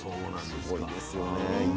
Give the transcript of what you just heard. すごいですよね。